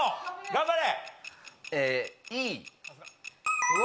頑張れ。